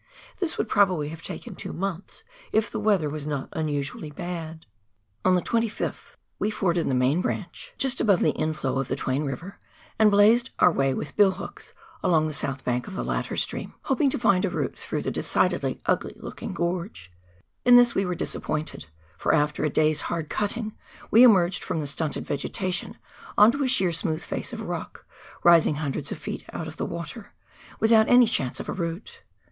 This would probably have taken two months if the weather was not unusually bad. On the 25th we forded the main branch just above the in ►*/•., Mount McGloin and Gordon Fai.i.s, from Casskll's Flat. To face page i88. KAEANGARUA RIYER. 189 flow of the Twain River, and " blazed " our way with bill hooks along on the south bank of the latter stream, hoping to find a route through the decidedly ugly looking gorge. In this we were disappointed, for after a day's hard cutting we emerged from the stunted vegetation on to a sheer smooth face of rock rising hundreds of feet out of the water, without any chance of a route.